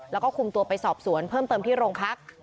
แล้วก็คุมตัวไปสอบสวนเพิ่มเติมที่โรงพัก